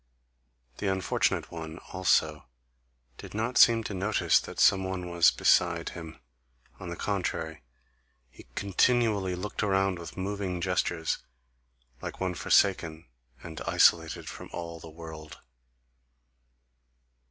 The unfortunate one, also, did not seem to notice that some one was beside him; on the contrary, he continually looked around with moving gestures, like one forsaken and isolated from all the world.